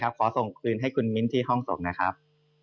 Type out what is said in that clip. ขอส่งคืนให้คุณมิ้นที่ห้องส่งนะครับ